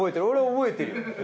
俺は覚えてるよ。